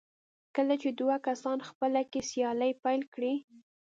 کله چې دوه کسان خپله کې سیالي پيل کړي.